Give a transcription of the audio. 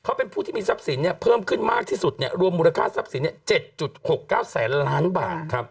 เขาเป็นผู้ที่มีทรัพย์สินเพิ่มขึ้นมากที่สุดรวมมูลค่าทรัพย์สิน๗๖๙แสนล้านบาท